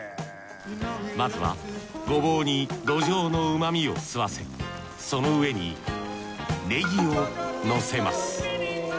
まずはごぼうにどじょうのうまみを吸わせその上にねぎを乗せます